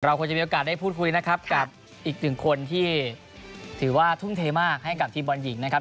คงจะมีโอกาสได้พูดคุยนะครับกับอีกหนึ่งคนที่ถือว่าทุ่มเทมากให้กับทีมบอลหญิงนะครับ